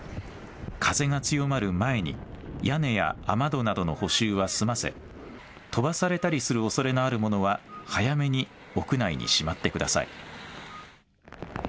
風が強まる前に屋根や雨戸などの補修は済ませ飛ばされたりするおそれのあるものは早めに屋内にしまってください。